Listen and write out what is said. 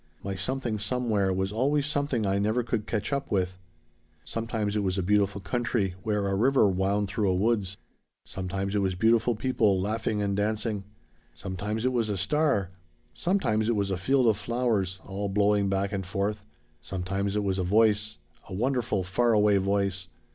"My Something Somewhere was always something I never could catch up with. Sometimes it was a beautiful country where a river wound through a woods. Sometimes it was beautiful people laughing and dancing. Sometimes it was a star. Sometimes it was a field of flowers all blowing back and forth. Sometimes it was a voice a wonderful far away voice.